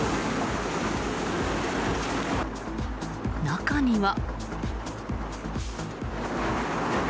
中には。